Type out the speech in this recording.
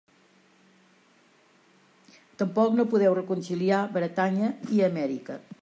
Tampoc no podeu reconciliar Bretanya i Amèrica.